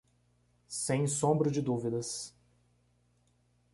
Sem sombra de dúvidas!